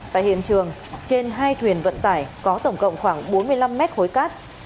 tại hiện trường trên hai thuyền vận tải có tổng cộng khoảng bốn mươi năm mét khối cát